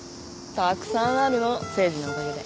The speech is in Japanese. たくさんあるの誠治のおかげで。